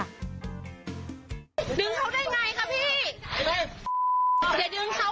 มันไม่ได้มีความผิดอะไรครับ